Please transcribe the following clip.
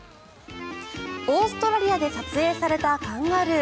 オーストラリアで撮影されたカンガルー。